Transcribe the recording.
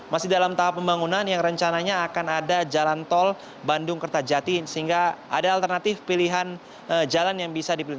masih dalam tahap pembangunan yang rencananya akan ada jalan tol bandung kertajati sehingga ada alternatif pilihan jalan yang bisa dipilih